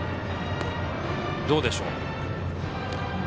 どうでしょう。